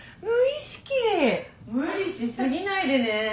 無理し過ぎないでね。